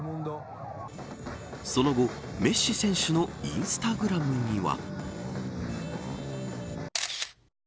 その後、メッシ選手のインスタグラムには。